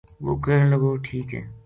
وہ کہن لگو ٹھیک ہے